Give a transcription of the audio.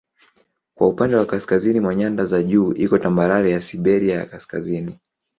Kwa upande wa kaskazini mwa nyanda za juu iko tambarare ya Siberia ya Kaskazini.